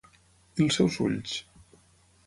I els seus ulls?